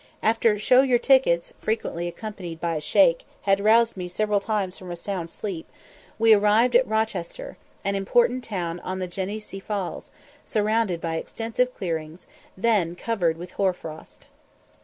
After "Show your tickets," frequently accompanied by a shake, had roused me several times from a sound sleep, we arrived at Rochester, an important town on the Gennessee Falls, surrounded by extensive clearings, then covered with hoar frost.